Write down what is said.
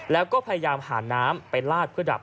แล้วก็พยายามหาน้ำไปลาดเพื่อดับ